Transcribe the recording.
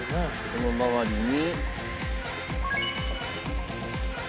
その周りに。